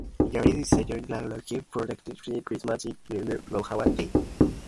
Initially, the station ran locally produced Christian programs about six hours a day.